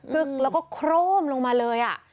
แล้วก็โคร่มลงมาเลย